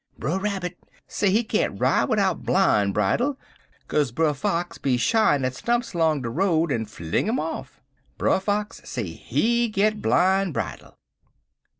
Brer Rabbit say he can't ride widout bline bridle, kaze Brer Fox be shyin' at stumps long de road, en fling 'im off. Brer Fox say he git bline bridle.